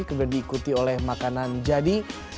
kemudian diikuti oleh makanan jadi